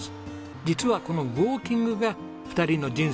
実はこのウォーキングが２人の人生を変えたんです。